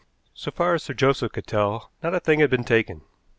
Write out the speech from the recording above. So far as Sir Joseph could tell, not a thing had been taken.